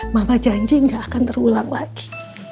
maka janji gak akan terulang lagi